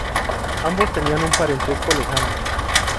Ambos tenían un parentesco lejano.